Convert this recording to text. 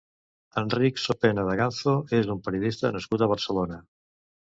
Enric Sopena Daganzo és un periodista nascut a Barcelona.